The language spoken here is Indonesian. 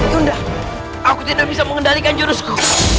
tunda aku tidak bisa mengendalikan jurusku